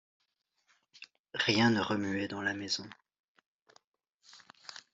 Rien ne remuait dans la maison.